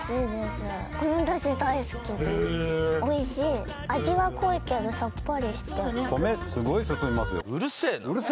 へえおいしい味は濃いけどさっぱりしていや